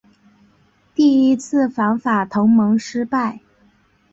第一次反法同盟失败。